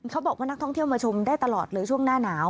เขาบอกว่านักท่องเที่ยวมาชมได้ตลอดเลยช่วงหน้าหนาว